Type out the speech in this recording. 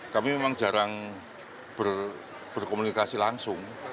kami memang jarang berkomunikasi langsung